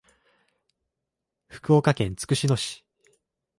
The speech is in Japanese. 福岡県筑紫野市